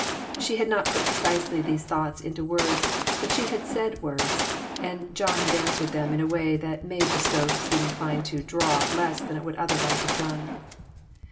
She had not put precisely these thoughts into words, but she had said words, and John had answered them in a way that made the stove seem inclined to "draw" less than it would other wise have done.